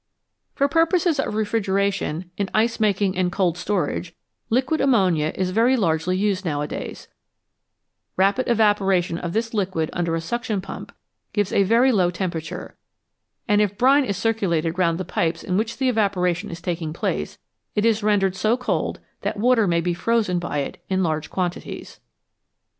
For purposes of refrigeration, in ice making and cold storage, liquid ammonia is very largely used nowadays ; rapid evaporation of this liquid under a suction pump gives a very low temperature, and if brine is circulated round the pipes in which the evaporation is taking place, it is rendered so cold that water may be frozen by it in large quantities.